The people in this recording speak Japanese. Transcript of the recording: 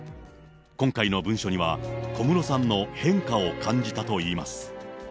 今回の文書には、小室さんの変化を感じたといいます。